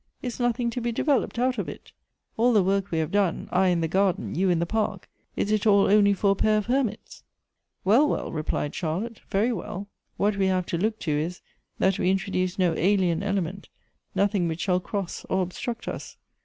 is nothing to be developed out of it ? All the work we have done — I in the garden, you in the park — is it all only for a pair of hennits ?"" Well, well," replied Charlotte, " very well. What we have to look to is, that we introduce no alien element, nothing which shall cross or obstruct us.